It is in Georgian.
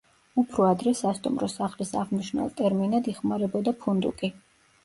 უფრო ადრე სასტუმრო სახლის აღმნიშვნელ ტერმინად იხმარებოდა ფუნდუკი.